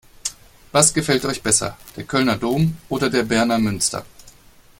Was gefällt euch besser: Der Kölner Dom oder der Berner Münster?